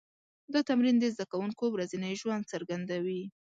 دا تمرین د زده کوونکو ورځنی ژوند څرګندوي.